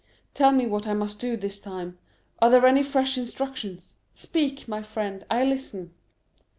tell me what I must do this time; are there any fresh instructions? Speak, my friend; I listen."